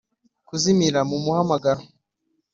kuzimira mu muhamagaro.